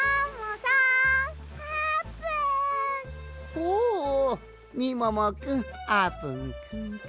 おおみももくんあーぷんくんか。